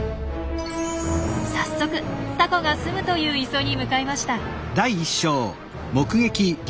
早速タコが住むという磯に向かいました。